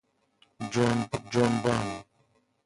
جنب جنبان